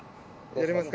やりますか。